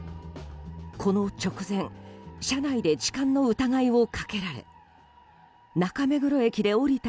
この直前車内で痴漢の疑いをかけられ中目黒駅で降りた